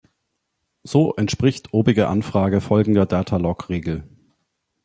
So entspricht obige Anfrage folgender Datalog-Regel.